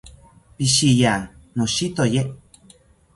Pishiya, noshitoye